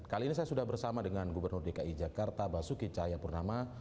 kali ini saya sudah bersama dengan gubernur dki jakarta basuki cahayapurnama